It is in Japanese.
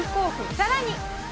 さらに。